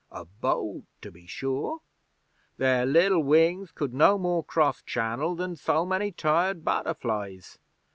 'A boat, to be sure. Their liddle wings could no more cross Channel than so many tired butterflies.